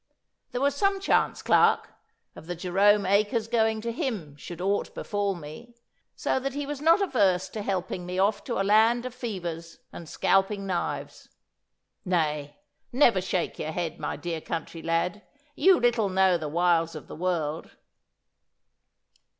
There was some chance, Clarke, of the Jerome acres going to him should aught befall me, so that he was not averse to helping me off to a land of fevers and scalping knives. Nay, never shake your head, my dear country lad, you little know the wiles of the world.